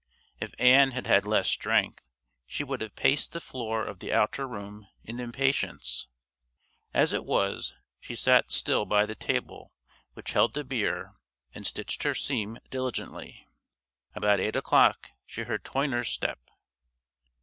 If Ann had had less strength, she would have paced the floor of the outer room in impatience; as it was she sat still by the table which held the beer and stitched her seam diligently. About eight o'clock she heard Toyner's step.